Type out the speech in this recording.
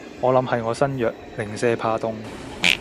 我諗係我身弱，零舍怕凍